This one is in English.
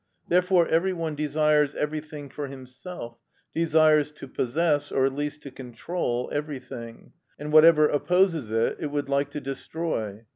Therefore every one desires everything for himself, desires to possess, or at least to control, everything, and whatever opposes it it would like to destroy.